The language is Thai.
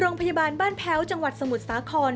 โรงพยาบาลบ้านแพ้วจังหวัดสมุทรสาคร